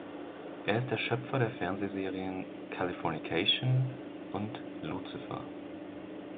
Er ist der Schöpfer der Fernsehserien "Californication" und "Lucifer".